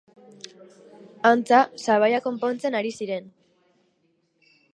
Antza, sabaia konpontzen ari ziren.